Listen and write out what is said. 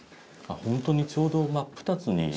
本当にちょうど真っ二つに。